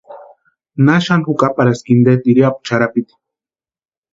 ¿Naxani jukaparaski inte tiriapu charhapiti?